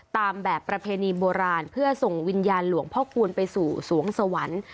ตามแบบประเพณีโบราณเพื่อส่งวิญญาณหลวงพ่อคูณไปสู่สวงสวรรค์